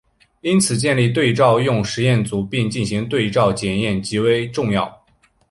因此建立对照用实验组并进行对照检验极其重要。